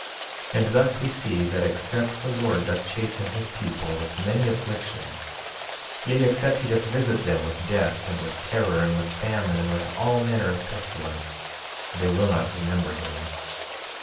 12:3 And thus we see that except the Lord doth chasten his people with many afflictions, yea, except he doth visit them with death and with terror, and with famine and with all manner of pestilence, they will not remember him.